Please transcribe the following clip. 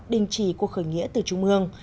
đình chỉ cuộc khởi nghĩa từ trung ương